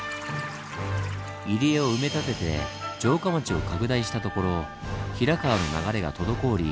入り江を埋め立てて城下町を拡大したところ平川の流れが滞り